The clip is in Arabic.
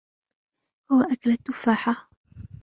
هو أكل التفاحة.